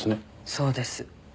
そうです。